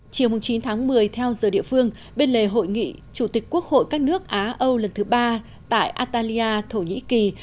chiều chín tháng một mươi theo giờ địa phương bên lề hội nghị chủ tịch quốc hội các nước á âu lần thứ ba tại italia thổ nhĩ kỳ